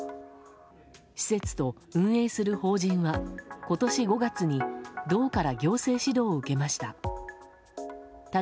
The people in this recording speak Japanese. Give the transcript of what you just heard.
施設と運営する法人は今年５月に道から行政指導を受けました。